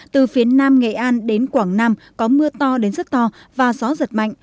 từ phía nam nghệ an đến quảng nam có mưa to đến rất to và gió giật mạnh